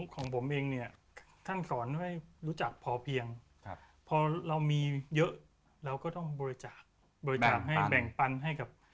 ของผมเองเนี่ยท่านสอนให้รู้จักพอเพียงพอเรามีเยอะเราก็ต้องบริจาคบริจาคให้แบ่งปันให้กับ